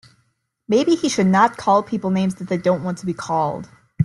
Maybe he should not call people names that they don't want to be called.